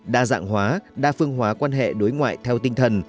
đa dạng hóa đa phương hóa quan hệ đối ngoại theo tinh thần